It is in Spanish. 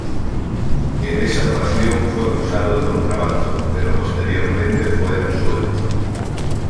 En esa ocasión fue acusado de contrabando, pero posteriormente fue absuelto.